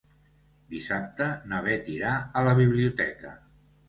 Dissabte na Beth irà a la biblioteca.